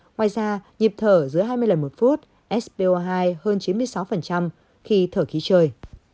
ngoài ra nhịp thở giữa hai mươi lần một phút spo hai hơn chín mươi sáu khi thở khí trời